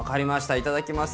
いただきます。